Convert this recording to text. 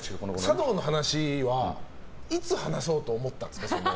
茶道の話はいつ話そうと思ったんですか？